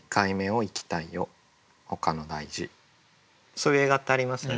そういう映画ってありますよね。